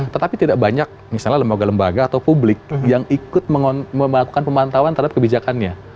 tetapi tidak banyak misalnya lembaga lembaga atau publik yang ikut melakukan pemantauan terhadap kebijakannya